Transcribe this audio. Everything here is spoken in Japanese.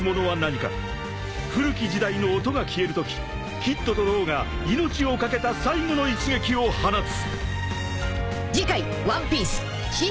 ［古き時代の音が消えるときキッドとローが命を懸けた最後の一撃を放つ］